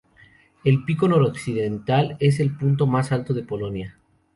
El pico noroccidental es el punto más alto de Polonia.